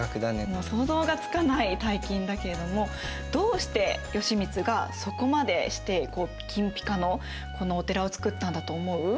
もう想像がつかない大金だけれどもどうして義満がそこまでして金ピカのこのお寺を造ったんだと思う？